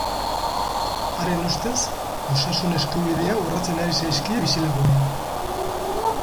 Haren ustez, osasun eskubidea urratzen ari zaizkie bizilagunei.